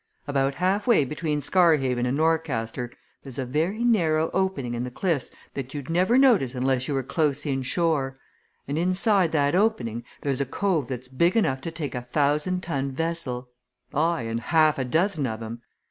About half way between Scarhaven and Norcaster there's a very narrow opening in the cliffs that you'd never notice unless you were close in shore, and inside that opening there's a cove that's big enough to take a thousand ton vessel aye, and half a dozen of 'em!